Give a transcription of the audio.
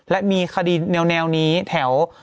และมีคดีแนวนี้แถว